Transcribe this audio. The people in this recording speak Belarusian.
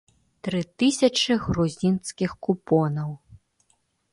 Тры тысячы грузінскіх купонаў.